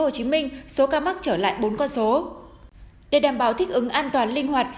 hồ chí minh số ca mắc trở lại bốn con số để đảm bảo thích ứng an toàn linh hoạt